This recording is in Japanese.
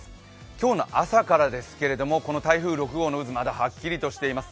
今日の朝からですけど、この台風６号の渦、まだはっきりとしています。